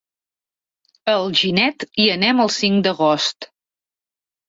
A Alginet hi anem el cinc d'agost.